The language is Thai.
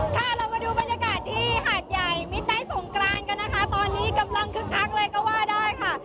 ค่ะเรามาดูบรรยากาศที่หาดใหญ่มิดได้สงกรานกันนะคะตอนนี้กำลังคึกคักเลยก็ว่าได้ค่ะ